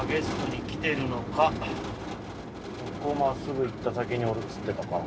ここまっすぐ行った先におるっつってたか。